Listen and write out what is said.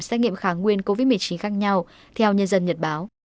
xét nghiệm kháng nguyên covid một mươi chín khác nhau theo nhân dân nhật báo